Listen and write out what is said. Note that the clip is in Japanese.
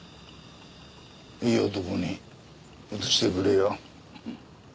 いい男に映してくれよ。